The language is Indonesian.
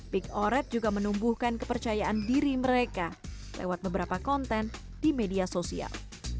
big oret juga menumbuhkan kepercayaan diri mereka lewat beberapa konten di media sosial